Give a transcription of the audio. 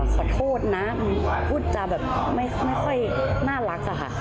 ขอโทษนะพูดจาแบบไม่ค่อยน่ารักอะค่ะ